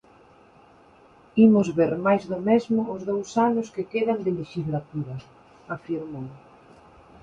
"Imos ver máis do mesmo os dous anos que quedan de lexislatura", afirmou.